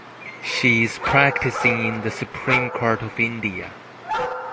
She is practising in the Supreme Court of India.